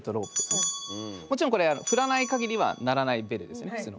もちろんこれは振らない限りは鳴らないベルですよね普通の。